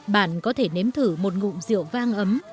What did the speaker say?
bạn có thể nếm thử một ngụm rượu vang ấm